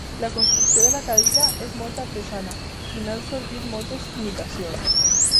La construcció de la cadira és molt artesana i n'han sortit moltes imitacions.